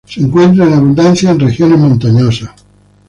Se encuentra en abundancia en regiones montañosas.